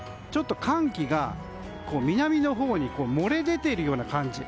寒気が南の方向に漏れ出ているような感じ。